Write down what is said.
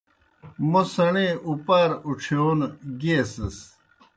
موْ سیْݨے اُپار اُڇِھیون گِیئسِس۔